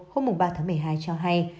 hôm ba tháng một mươi hai cho hay